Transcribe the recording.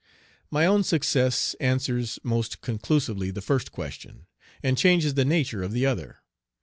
My own success answers most conclusively the first question, and changes the nature of the other.